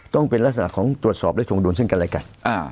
ต้องเป็นลักษณะของตรวจสอบและถวงดุลซึ่งกันและกัน